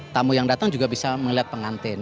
tamu yang datang juga bisa melihat pengantin